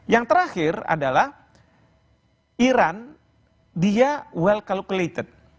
yang terakhir adalah iran dia wel calculated